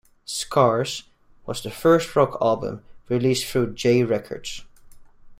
"Scars" was the first rock album released through J Records.